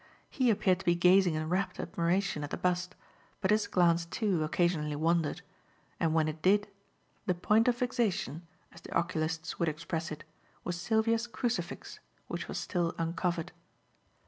He appeared to be gazing in wrapt admiration at the bust, but his glance, too, occasionally wandered; and when it did, the "point of fixation," as the oculists would express it, was Sylvia's crucifix, which was still uncovered.